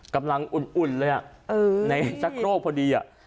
กำลังอุ่นอุ่นเลยอ่ะเออในสักโครกพอดีอ่ะ